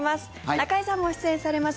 中居さんも出演されます